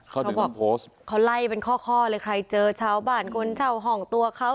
เขาบอกเขาไล่เป็นข้อข้อเลยใครเจอชาวบ้านคนชาวห่องตัวเขา